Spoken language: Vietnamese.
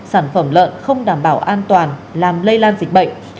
sản phẩm lợn không đảm bảo an toàn làm lây lan dịch bệnh